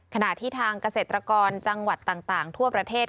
ขณะที่ทางเกษตรกรจังหวัดต่างทั่วประเทศ